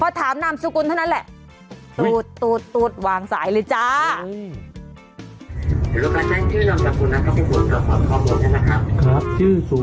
พอถามนามสุขสุขนั้นแหละตูดตูดวางสายเลยจ๊ะเจ็บไม่รู้